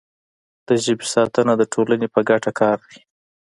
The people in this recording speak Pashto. د ژبې ساتنه د ټولنې په ګټه کار دی.